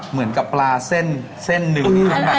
เหมือนกับปลาเส้นเส้นหนึ่ง